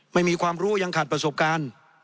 ไม่มีความรู้ยังขาดประสบการณ์